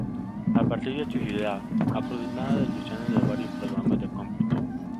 A partir de sus ideas, ha coordinado el diseño de varios programas de cómputo.